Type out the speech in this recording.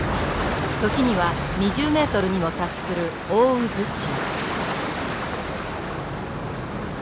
時には２０ｍにも達する大渦潮。